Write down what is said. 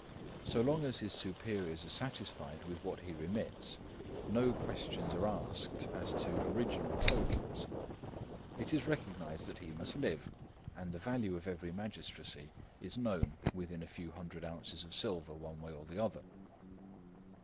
So long as his superiors are satisfied with what he remits, no questions are asked as to original totals. It is recognised that he must live, and the value of every magistracy is known within a few hundred ounces of silver one way or the other.